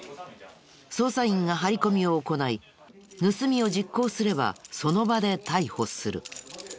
捜査員が張り込みを行い盗みを実行すればその場で逮捕する。